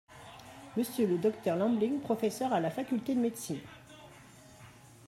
Monsieur le Dr Lambling, professeur à la Faculté de médecine.